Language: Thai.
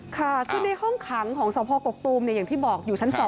ค่ะคือในห้องขังของสพกกตูมอย่างที่บอกอยู่ชั้น๒